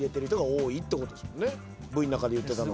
Ｖの中で言ってたのは。